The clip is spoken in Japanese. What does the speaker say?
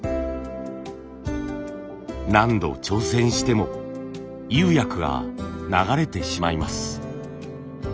何度挑戦しても釉薬が流れてしまいます。